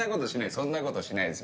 そんなことしないです